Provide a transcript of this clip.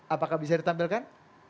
apakah bisa ditampilkan